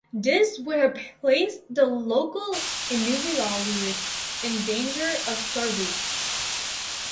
This would have placed the local Inuvialuit in danger of starvation.